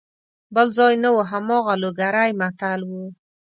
بل ځای نه وو هماغه لوګری متل وو.